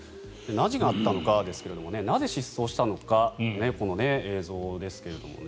何があったのかですがなぜ失踪したのかこの映像ですけれどもね。